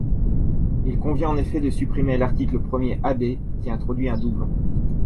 Il convient en effet de supprimer l’article premier AB, qui introduit un doublon.